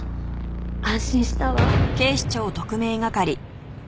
安心したわ。